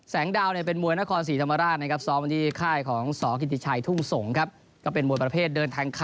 แสงดาวเนี่ยเป็นมวยนครสีธรรมราชนะครับ